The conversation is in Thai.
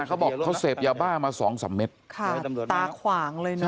เขาบอกเขาเสพยาบ้ามาสองสามเม็ดค่ะตาขวางเลยนะ